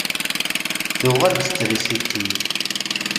Tuɣal-d trisiti.